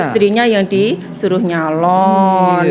istrinya yang disuruh nyalon